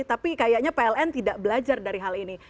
tapi kayaknya pln tidak belajar dari hal ini